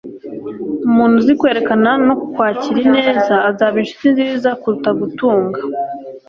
umuntu uzi kwerekana no kwakira ineza azaba inshuti nziza kuruta gutunga